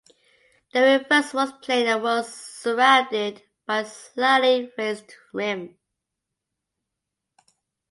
The reverse was plain and was surrounded by a slightly raised rim.